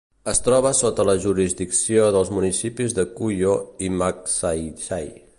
Es troba sota la jurisdicció dels municipis de Cuyo i Magsaysay.